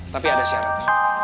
tapi ada syarat